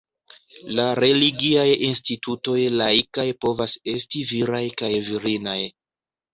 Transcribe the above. La religiaj institutoj laikaj povas esti viraj kaj virinaj.